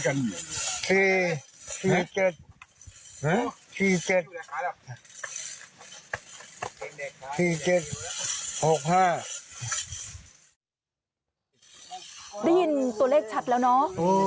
ได้ยินตัวเลขชัดแล้วเนาะ